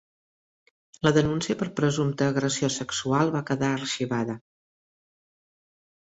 La denúncia per presumpta agressió sexual va quedar arxivada.